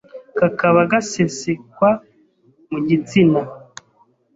kakaba gasesekwa mu gitsina